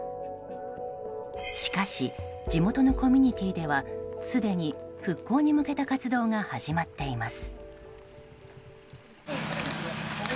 しかし地元のコミュニティーではすでに復興に向けた活動が始まっています。